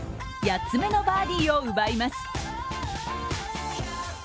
８つ目のバーディーを奪います。